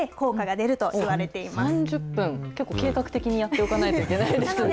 結構、計画的にやっておかないといけないですね。